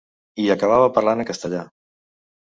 I acabava parlant en castellà.